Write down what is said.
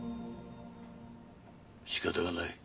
仕方がない。